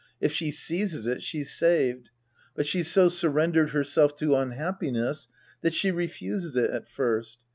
If she seizes it, she's saved. But she's so surrendered hei'self to unhappiness that she refuses it at first.